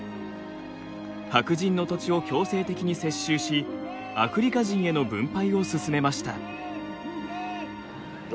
白人の土地を強制的に接収しアフリカ人への分配を進めました。